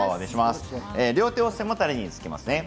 両手を背もたれにつきます。